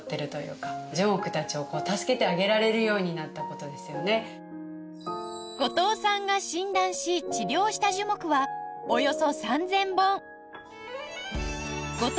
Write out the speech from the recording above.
後藤さんの後藤さんが診断し治療した樹木はおよそ３０００本